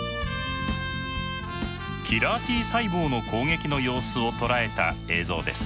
キラーＴ細胞の攻撃の様子を捉えた映像です。